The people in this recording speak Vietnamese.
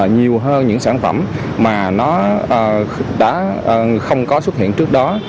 nhiều hơn những sản phẩm mà nó đã không có xuất hiện trước đó